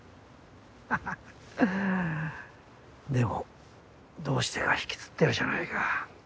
ハハハでもどうしてか引きつってるじゃないか。